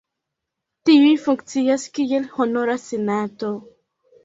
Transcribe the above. Tiuj funkcias kiel honora senato.